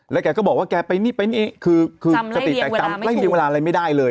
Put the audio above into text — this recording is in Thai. แกก็บอกว่าแกไปนี่ไปนี่คือสติแตกจำไล่เรียงเวลาอะไรไม่ได้เลย